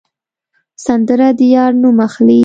سندره د یار نوم اخلي